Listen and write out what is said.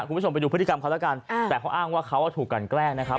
คุณผู้ชมไปดูพฤติกรรมเขาแล้วกันแต่เขาอ้างว่าเขาถูกกันแกล้งนะครับ